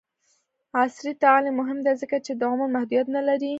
عصري تعلیم مهم دی ځکه چې د عمر محدودیت نه لري.